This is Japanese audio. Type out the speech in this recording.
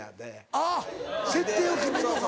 あっ設定を決めるのか。